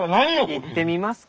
行ってみますか。